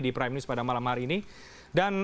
di prime news pada malam hari ini dan